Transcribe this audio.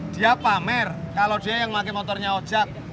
dia pamer kalau dia yang pake motornya ojak